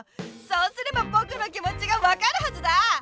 そうすればぼくの気もちが分かるはずだ！